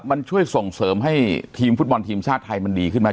มันช่วยส่งเสริมให้ทีมฟุตบอลทีมชาติไทยมันดีขึ้นมา